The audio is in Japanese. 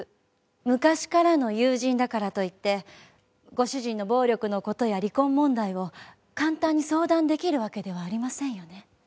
昔からの友人だからといってご主人の暴力の事や離婚問題を簡単に相談出来るわけではありませんよね？